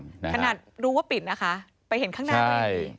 ขนาดดูว่าปิดไปเห็นข้างหน้าเลย